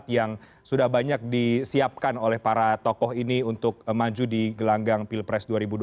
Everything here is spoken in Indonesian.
yang sudah banyak disiapkan oleh para tokoh ini untuk maju di gelanggang pilpres dua ribu dua puluh